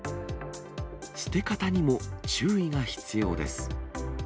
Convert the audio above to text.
捨て方にも注意が必要です。